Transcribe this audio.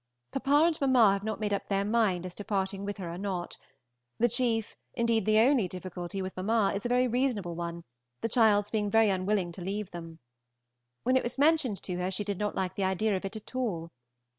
Papa and mamma have not yet made up their mind as to parting with her or not; the chief, indeed the only, difficulty with mamma is a very reasonable one, the child's being very unwilling to leave them. When it was mentioned to her she did not like the idea of it at all.